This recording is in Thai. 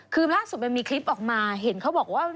คือล่าสุดมันมีคลิปออกมาเห็นเขาบอกว่า